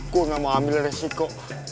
gue gak mau ambil resiko